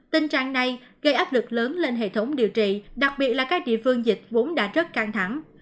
tình trạng này gây áp lực lớn lên hệ thống điều trị đặc biệt là các địa phương dịch vốn đã rất căng thẳng